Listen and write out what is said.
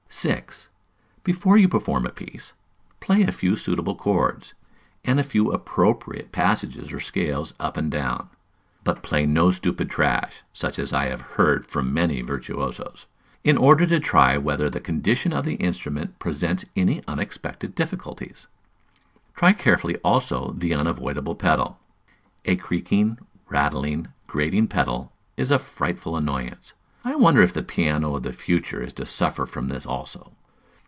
6. Before you perform a piece, play a few suitable chords, and a few appropriate passages or scales up and down (but play no stupid trash, such as I have heard from many virtuosos), in order to try whether the condition of the instrument presents any unexpected difficulties. Try carefully also the unavoidable pedal. A creaking, rattling, grating pedal is a frightful annoyance; I wonder if the piano of "the future" is to suffer from this also.